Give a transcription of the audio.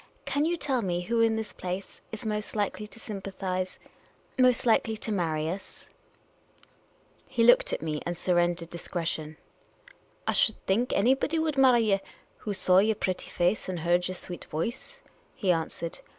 Can you tell me who in this place is most likely to sympathise — most likely to marry us ?" He looked at me — and surrendered at discretion. " I should think anybody would marry ye who saw yer pretty face and heard yer sweet voice," he answered.